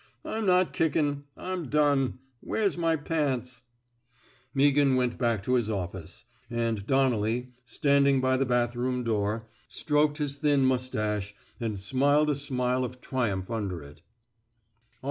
'* I'm not kickin'. I'm done. ... Where's my pantsf " Meaghan went back to his office; and Don nelly, standing by the bathroom door, stroked his thin mustache and smiled a smile of triumph under it.